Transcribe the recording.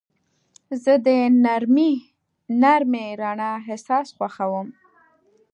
زه د نرمې رڼا احساس خوښوم.